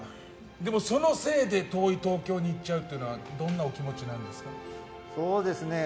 でもそのせいで遠い東京に行っちゃうというのはどんなお気持ちなんですか？